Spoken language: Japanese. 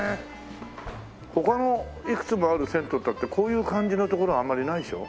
他のいくつもある銭湯っていったってこういう感じの所はあんまりないでしょ？